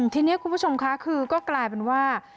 ทีนี้คุณผู้ชมค่ะคือก็กลายเป็นว่า